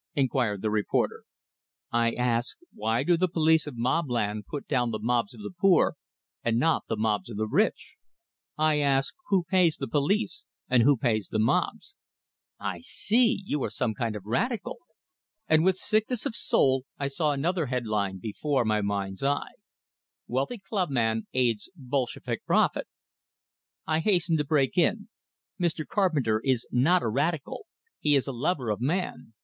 inquired the reporter. "I ask, why do the police of Mobland put down the mobs of the poor, and not the mobs of the rich? I ask, who pays the police, and who pays the mobs." "I see! You are some kind of radical!" And with sickness of soul I saw another headline before my mind's eye: WEALTHY CLUBMAN AIDS BOLSHEVIK PROPHET I hastened to break in: "Mr. Carpenter is not a radical; he is a lover of man."